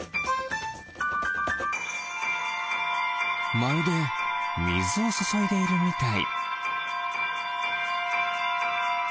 まるでみずをそそいでいるみたい。